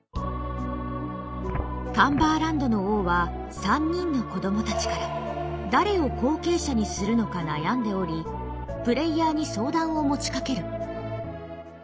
カンバーランドの王は３人の子供たちから誰を後継者にするのか悩んでおりプレイヤーに相談を持ちかける。